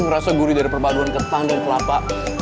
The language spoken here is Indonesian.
merasa gurih dari perpaduan ketan dan kelapa